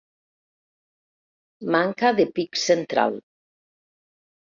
Manca de pic central.